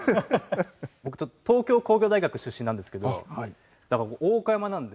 僕東京工業大学出身なんですけど大岡山なんで。